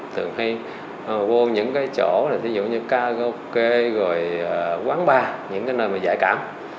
thường hay vô những chỗ thí dụ như karaoke quán bar những nơi dễ cảm